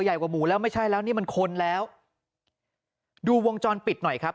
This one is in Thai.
ใหญ่กว่าหมูแล้วไม่ใช่แล้วนี่มันคนแล้วดูวงจรปิดหน่อยครับ